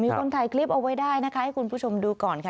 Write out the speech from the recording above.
มีคนถ่ายคลิปเอาไว้ได้นะคะให้คุณผู้ชมดูก่อนค่ะ